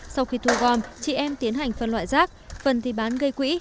sau khi thu gom chị em tiến hành phân loại rác phần thì bán gây quỹ